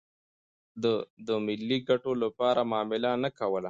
ده د ملي ګټو لپاره معامله نه کوله.